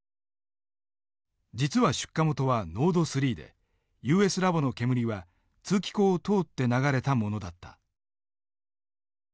実は出火元はノード３でＵＳラボの煙は通気口を通って流れたものだった。